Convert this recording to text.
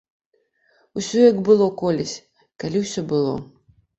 Усё як было колісь, калі ўсё было!